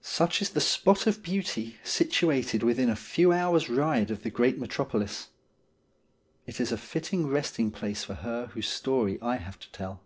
Such is the spot of beauty situated within a few hours' ride of the great Metropolis. It is a fitting resting place for her whose story I have to tell.